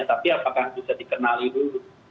tapi apakah bisa dikenali dulu